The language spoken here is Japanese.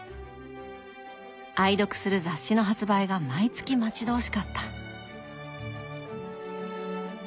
愛読する雑誌の発売が毎月待ち遠しかった。